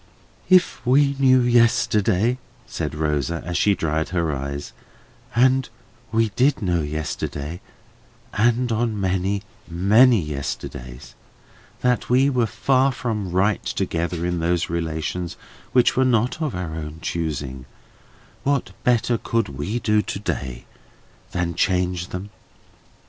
"If we knew yesterday," said Rosa, as she dried her eyes, "and we did know yesterday, and on many, many yesterdays, that we were far from right together in those relations which were not of our own choosing, what better could we do to day than change them?